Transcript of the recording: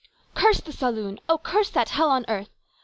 " Curse the saloon ! Oh, curse that hell on earth